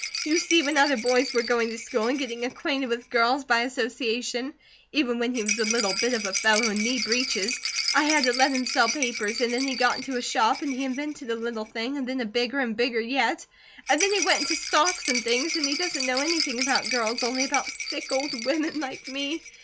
You see when other boys were going to school and getting acquainted with girls by association, even when he was a little bit of a fellow in knee breeches, I had to let him sell papers, and then he got into a shop, and he invented a little thing, and then a bigger, and bigger yet, and then he went into stocks and things, and he doesn't know anything about girls, only about sick old women like me.